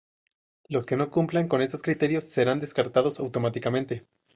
Los que no cumplan con estos criterios serán descartados automáticamente.